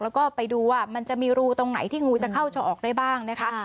แล้วก็ไปดูว่ามันจะมีรูตรงไหนที่งูจะเข้าจะออกได้บ้างนะคะ